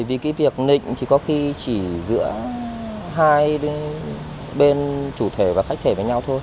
vì cái việc nịnh thì có khi chỉ giữa hai bên chủ thể và khách thể với nhau thôi